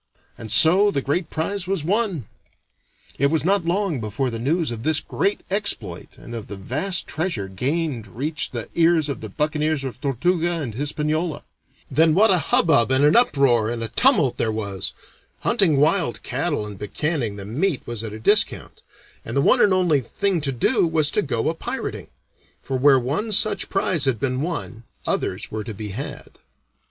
And so the great prize was won. It was not long before the news of this great exploit and of the vast treasure gained reached the ears of the buccaneers of Tortuga and Hispaniola. Then what a hubbub and an uproar and a tumult there was! Hunting wild cattle and buccanning the meat was at a discount, and the one and only thing to do was to go a pirating; for where one such prize had been won, others were to be had.